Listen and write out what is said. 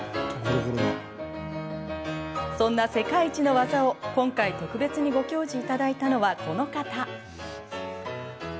そんな世界一の技を今回特別にご教示いただいたのはこの方。